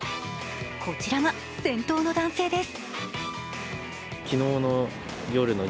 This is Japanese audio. こちらが先頭の男性です。